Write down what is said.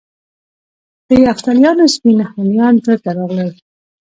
د یفتلیانو سپین هونیان دلته راغلل